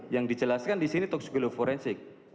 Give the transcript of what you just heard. yang dijelaskan disini toksikologi forensik